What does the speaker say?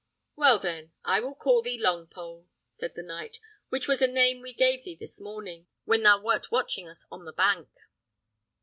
"Well, then, I will call thee Longpole," said the knight, "which was a name we gave thee this morning, when thou wert watching us on the bank."